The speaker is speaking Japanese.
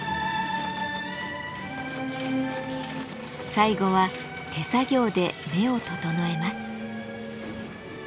最後は手作業で目を整えます。